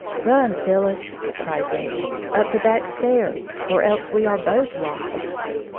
" Run, Phyllis," cried David, " up the back stairs, or else we are both lost